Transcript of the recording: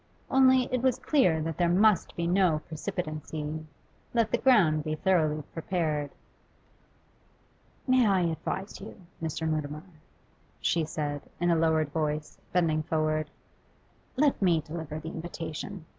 Only, it was clear that there must be no precipitancy. Let the ground be thoroughly prepared. 'May I advise you, Mr. Mutimer?' she said, in a lowered voice, bending forward. 'Let me deliver the invitation.